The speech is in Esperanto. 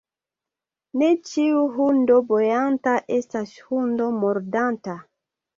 Ne ĉiu hundo bojanta estas hundo mordanta.